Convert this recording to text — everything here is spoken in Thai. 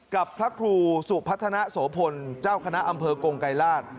กับพระครูสุพัฒนาโสพลเจ้าคณะอำเภอกงไกรราช